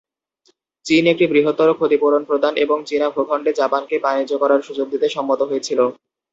চীন একটি বৃহত্তর ক্ষতিপূরণ প্রদান এবং চীনা ভূখণ্ডে জাপানকে বাণিজ্য করার সুযোগ দিতে সম্মত হয়েছিল।